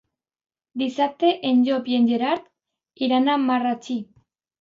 Dissabte en Llop i en Gerard iran a Marratxí.